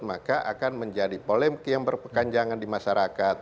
maka akan menjadi polemik yang berkekanjangan di masyarakat